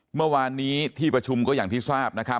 เมื่อวานี้ที่ประชุมก็อย่างที่ทราบ